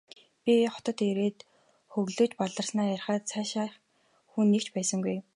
Би хотод ирээд хөглөж баларснаа ярихад сайшаах хүн нэг ч байсангүй.